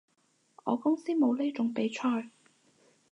我公司冇呢種比賽